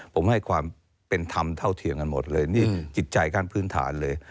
ผมให้ความเป็นธรรมเท่าเทียมกันหมดเลยนี่จิตใจขั้นพื้นฐานเลย